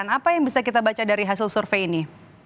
apa yang bisa kita baca dari hasil survei ini